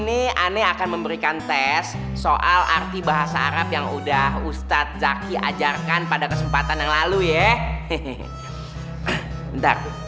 disahroni deh sarani saat yang mana siap itu dua duanya bener